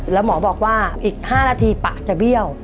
แล้วหมอบอกว่าอีก๕นาทีปากจะเบี้ยว